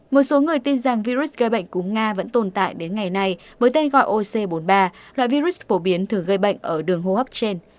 một số người tin rằng virus gây bệnh cúm nga vẫn tồn tại đến ngày nay với tên gọi oc bốn mươi ba loại virus phổ biến thường gây bệnh ở đường hô hấp trên